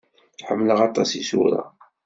Ḥemmleɣ aṭas isura.